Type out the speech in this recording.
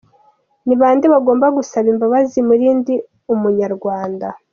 – Ni bande bagomba gusaba imbabazi muri ndi umunyarwanda?